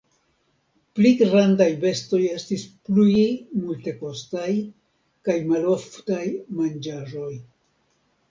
Pli grandaj bestoj estis pli multekostaj kaj maloftaj manĝaĵoj.